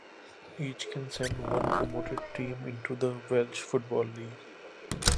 Each can send one promoted team into the Welsh Football League.